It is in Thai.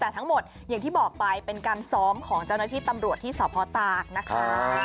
แต่ทั้งหมดอย่างที่บอกไปเป็นการซ้อมของเจ้าหน้าที่ตำรวจที่สพตากนะคะ